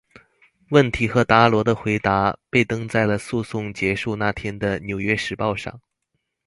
问题和达罗的回答被登在了诉讼结束那天的纽约时报上。